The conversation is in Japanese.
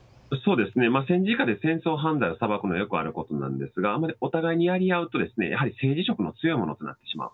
戦時下で戦争犯罪を裁くのはよくあることなんですがあまりお互いにやり合うとやはり政治色の強いものとなってしまう。